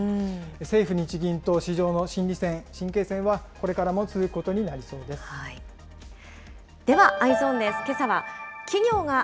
政府・日銀と市場の心理戦、神経戦はこれからも続くことになりそではＥｙｅｓｏｎです。